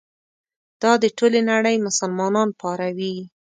دا د ټولې نړۍ مسلمانان پاروي.